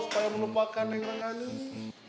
supaya melupakan rengganis